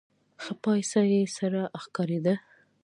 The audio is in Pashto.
ښۍ پايڅه يې سره ښکارېده.